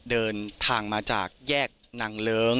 เดินทางมาจากแยกนางเลิ้ง